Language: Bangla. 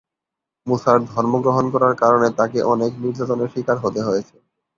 মুসার ধর্ম গ্রহণ করার কারণে তাকে অনেক নির্যাতনের শিকার হতে হয়েছে।